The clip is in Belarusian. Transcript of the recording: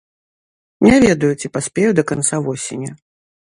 Не ведаю, ці паспею да канца восені.